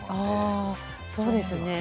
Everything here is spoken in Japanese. ああそうですね。